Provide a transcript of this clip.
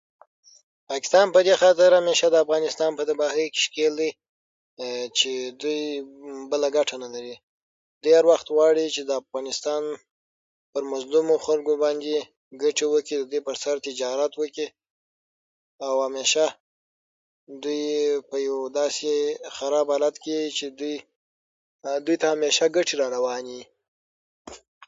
پاکستان په دې خاطر د افغانستان په تباهۍ کې شکېل دی، چې دوی بله ګټه نه لري. دوی هر وخت غواړي چې د افغانستان په مظلومو خلکو باندې ګټې وکي، د دوی پر سر تجارت وکي، او همېشه دوی په یو داسې خراب حالت کې چې دوی دوی ته همېشه ګټې راروانې يي. یادونه: جمله په وروستۍ برخه کې یو څه نیمګړې/ګډه ښکاري، خو ما متن بدل نه کړ.